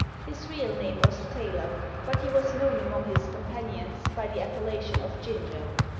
His real name was Taylor, but he was known among his companions by the appellation of Ginger.